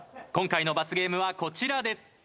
今回の罰ゲームはこちらです。